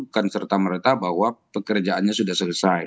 bukan serta merta bahwa pekerjaannya sudah selesai